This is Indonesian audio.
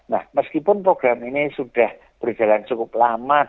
nah meskipun program ini sudah berjalan cukup lama